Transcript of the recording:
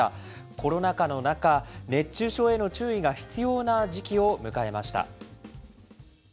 コロナ禍の中、熱中症への注意が必要な時期を迎えました。